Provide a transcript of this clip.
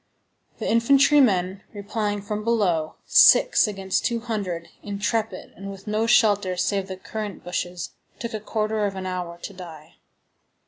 The infantry men, replying from below, six against two hundred, intrepid and with no shelter save the currant bushes, took a quarter of an hour to die.